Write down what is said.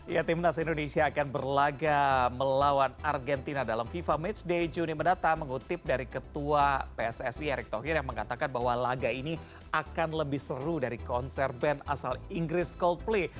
ya timnas indonesia akan berlaga melawan argentina dalam fifa matchday juni mendatang mengutip dari ketua pssi erick thohir yang mengatakan bahwa laga ini akan lebih seru dari konser band asal inggris coldplay